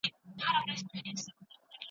د سياست مانا په بېلابېلو ژبو کې بدلون مومي.